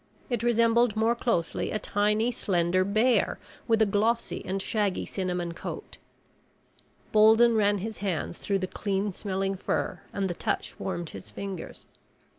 It resembled more closely a tiny slender bear with a glossy and shaggy cinnamon coat. Bolden ran his hands through the clean smelling fur and the touch warmed his fingers.